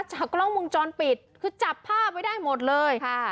จากกล้องมุมจรปิดคือจับภาพไว้ได้หมดเลย